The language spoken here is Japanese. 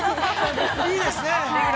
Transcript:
いいですね。